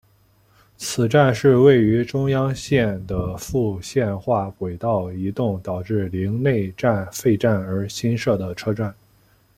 此站是位于中央线的复线化轨道移动导致陵内站废站而新设的车站。